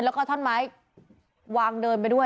แล้วก็ท่อนไม้วางเดินไปด้วย